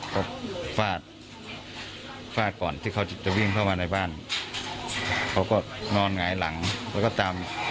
เขาฟาดฟาดก่อนที่เขาจะวิ่งเข้ามาในบ้านเขาก็นอนหงายหลังแล้วก็ตาม